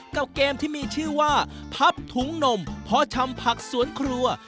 กับเกมที่มีชื่อว่าพับถุงนมเพาะชำผักสวนครัว